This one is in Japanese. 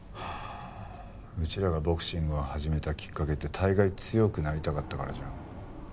うちらがボクシングを始めたきっかけって大概強くなりたかったからじゃん。